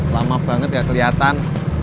lama banget nggak kelihatan